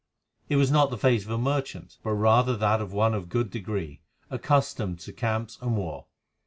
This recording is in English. It was not the face of a merchant, but rather that of one of good degree, accustomed to camps and war.